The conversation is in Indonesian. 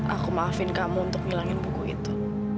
aku maafin kamu untuk ngilangin buku itu